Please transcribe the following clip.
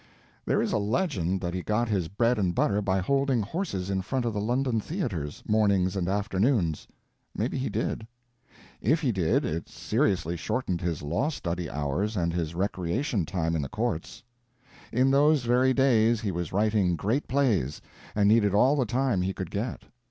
There is a legend that he got his bread and butter by holding horses in front of the London theaters, mornings and afternoons. Maybe he did. If he did, it seriously shortened his law study hours and his recreation time in the courts. In those very days he was writing great plays, and needed all the time he could get.